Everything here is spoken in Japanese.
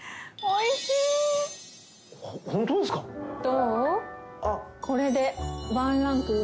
「どう？」